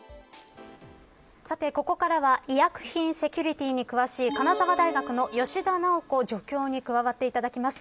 ここからは医薬品セキュリティーに詳しい金沢大学の吉田直子助教に加わっていただきます。